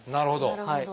なるほど。